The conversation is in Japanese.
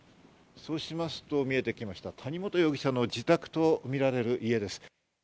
そうしますと見えてきました、谷本容疑者の自宅とみられる家です。